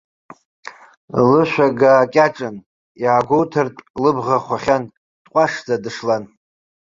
Лышәагаа кьаҿын, иаагәоуҭартә лыбӷа хәахьан, дҟәашӡа дышлан.